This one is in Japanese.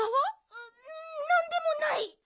あなんでもない！